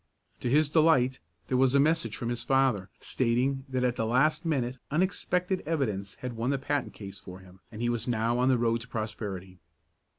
To his delight there was a message from his father, stating that at the last minute unexpected evidence had won the patent case for him, and he was now on the road to prosperity.